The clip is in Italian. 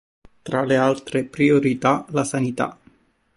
Tra le altre priorità la sanità.